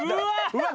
うわっ。